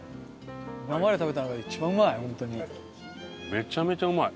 めちゃめちゃうまい。